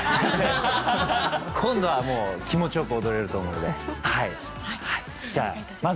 今度は気持ちよく踊れると思います。